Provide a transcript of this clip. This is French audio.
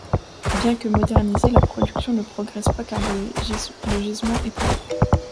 Bien que modernisée, la production ne progresse pas car le gisement est pauvre.